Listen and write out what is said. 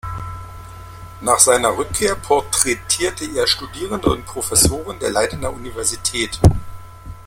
Nach seiner Rückkehr porträtierte er Studierende und Professoren der Leidener Universität.